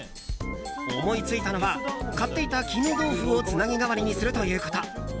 思いついたのは買っていた絹豆腐をつなぎ代わりにするということ。